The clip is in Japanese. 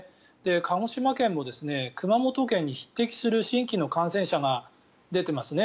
鹿児島県も熊本県に匹敵する新規の感染者が出てますね。